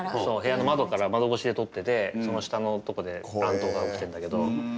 そう部屋の窓から窓越しで撮っててその下のとこで乱闘が起きてんだけど。